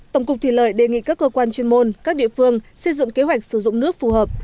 tổng cục thủy lợi đề nghị các cơ quan chuyên môn các địa phương xây dựng kế hoạch sử dụng nước phù hợp